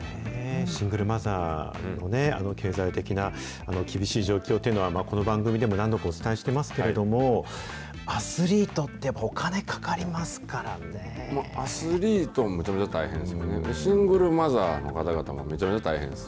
シングルマザーのね、経済的な厳しい状況というのは、この番組でも何度かお伝えしていますけれども、アスリートっておアスリート、めちゃめちゃ大変ですけどね、シングルマザーの方々もめちゃめちゃ大変です。